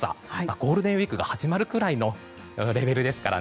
ゴールデンウィークが始まるくらいのレベルですから。